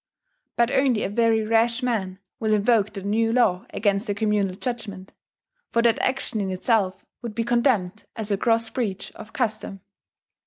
But only a very rash man will invoke the new law against the communal judgment, for that action in itself would be condemned as a gross breach of custom.